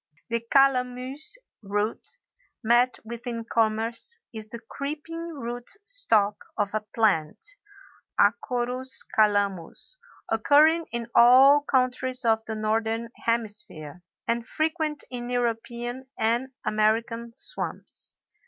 The calamus root met with in commerce is the creeping root stock of a plant (Acorus Calamus), occurring in all countries of the northern hemisphere, and frequent in European and American swamps.